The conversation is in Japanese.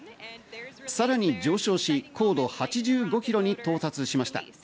さらに上昇し高度８５ｋｍに到達しました。